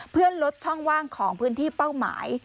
เพื่อลดช่องว่างของพื้นที่เป้าหมาย